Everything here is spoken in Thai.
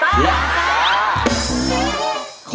จัดคลั้นถามครับ